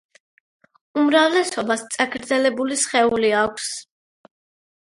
უმრავლესობას წაგრძელებული სხეული აქვს.